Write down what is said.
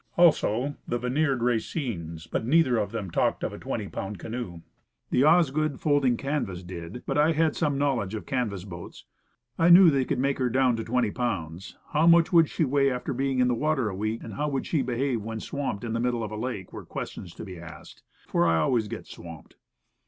Also, the veneered Racines; but neither of them talked of a 20 pound canoe. The "Osgood folding canvas" did. But I had some knowledge of canvas boats. I knew they could make her down to 20 pounds. How much would she weigh after being in the water a week, and how would she behave when swamped in the middle of a lake, were questions to be asked, for I always get swamped.